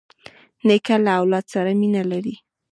نیکه له اولاد سره مینه لري.